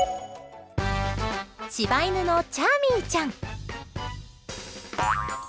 柴犬のチャーミーちゃん。